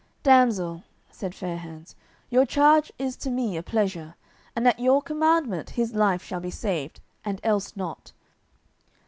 "Damsel," said Fair hands, "your charge is to me a pleasure, and at your commandment his life shall be saved, and else not.